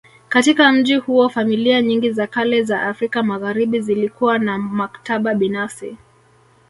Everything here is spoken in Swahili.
Katika mji huo familia nyingi za kale za Afrika Magharibi zilikuwa na maktaba binafsi